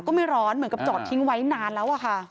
ก็ไม่ร้อนเหมือนกับจอดทิ้งไว้นานแล้วอะค่ะ